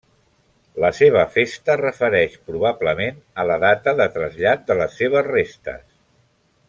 La seva festa refereix probablement a la data de trasllat de les seves restes.